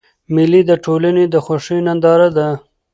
مېلې د ټولني د خوښۍ ننداره ده.